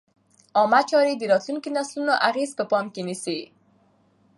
عامه چارې د راتلونکو نسلونو اغېز په پام کې نیسي.